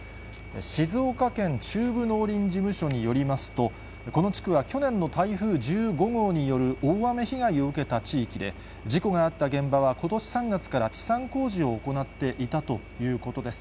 静岡県中部農林事務所によりますと、この地区は去年の台風１５号による大雨被害を受けた地域で、事故があった現場はことし３月から治山工事を行っていたということです。